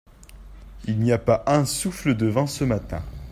Il n'y a pas un souffle de vent ce matin.